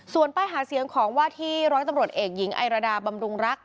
ส่วนป้ายหาเสียงของว่าที่ร้อยตำรวจเอกหญิงไอรดาบำรุงรักษ